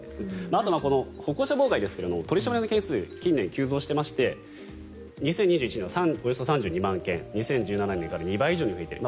あと、歩行者妨害ですが取り締まりのケースが近年急増していまして２０２１年はおよそ３２万件２０１７年から２倍以上に増えている。